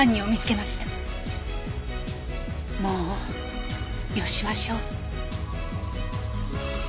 もうよしましょう。